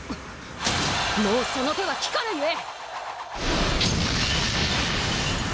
もうその手は効かぬゆえ！